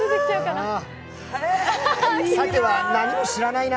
さては、何も知らないな。